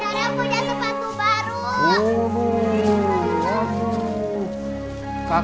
sekejap kita lanjut